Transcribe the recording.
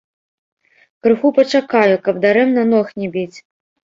Крыху пачакаю, каб дарэмна ног не біць.